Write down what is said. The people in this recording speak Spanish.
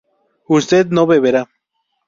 usted no beberá